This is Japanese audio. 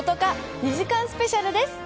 ２時間スペシャルです。